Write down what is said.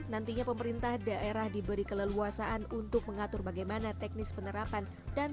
nantinya pemerintah daerah diberi keleluasaan untuk mengatur bagaimana teknis penerapan dan